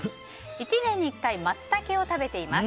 １年に１回マツタケを食べています。